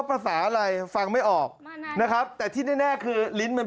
มันก็๕นาทีแล้ว